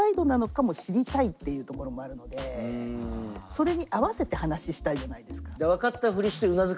それに合わせて話したいじゃないですか。